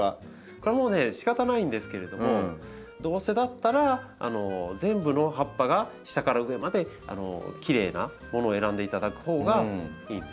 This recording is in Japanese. これもうねしかたないんですけれどもどうせだったら全部の葉っぱが下から上まできれいなものを選んでいただくほうがいいんです。